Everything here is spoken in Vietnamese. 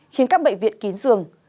khiến các bệnh viện kín dường